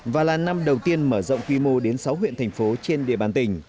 và là năm đầu tiên mở rộng quy mô đến sáu huyện thành phố trên địa bàn tỉnh